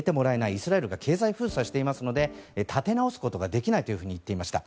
イスラエルが経済封鎖していますので立て直すことができないというふうに言っていました。